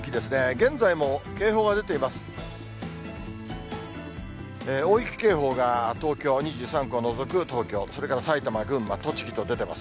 現在も警報が出ています。